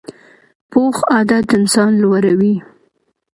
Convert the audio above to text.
پوخ عادت انسان لوړوي